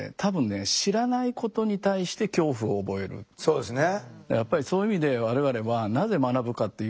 そうですね。